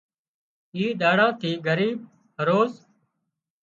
اي ۮاڙا ٿِي ڳريب هروز